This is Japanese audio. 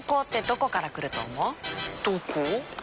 どこ？